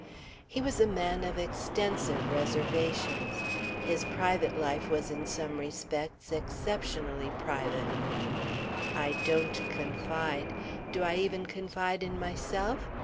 He was a man of extensive reservations. His private life was in some respects exceptionally private. "I don't confide.... Do I even confide in myself?